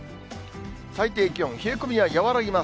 最低気温、冷え込みは和らぎます。